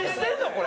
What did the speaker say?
これ。